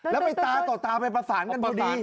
แล้วไปตาต่อตาไปประสานกันพอดี